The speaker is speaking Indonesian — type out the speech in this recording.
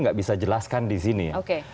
gak bisa jelaskan di sini